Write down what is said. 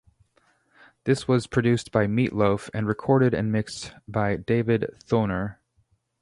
This was produced by Meat Loaf and recorded and mixed by David Thoener.